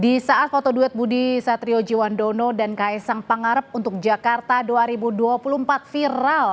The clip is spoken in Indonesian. di saat foto di video ini budiastrio jiwandono dan kaisang pangarep untuk jakarta dua ribu dua puluh empat viral